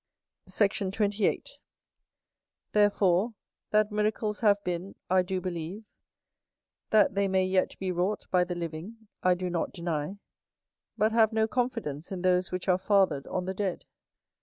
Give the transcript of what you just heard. Sect. 28. Therefore, that miracles have been, I do believe; that they may yet be wrought by the living, I do not deny: but have no confidence in those which are fathered on the dead.